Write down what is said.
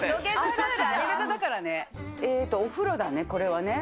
お風呂だね、これはね。